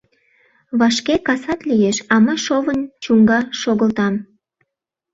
Вашке касат лиеш, а мый шовын чуҥга шогылтам.